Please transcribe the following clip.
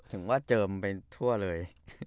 ถึงว่าเจิมไปทั่วเลย